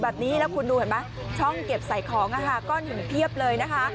แบบนี้แล้วคุณดูเห็นไหมช่องเก็บใส่ของก้อนหนึ่งเพียบเลยนะคะ